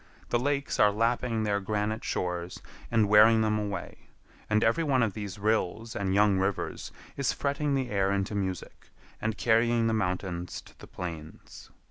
The lakes are lapping their granite shores and wearing them away, and every one of these rills and young rivers is fretting the air into music, and carrying the mountains to the plains.